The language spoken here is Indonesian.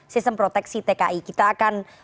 sistem proteksi tki kita akan